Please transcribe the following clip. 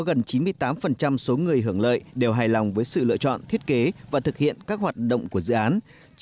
gần chín mươi tám số người hưởng lợi đều hài lòng với sự lựa chọn thiết kế và thực hiện các hoạt động của dự án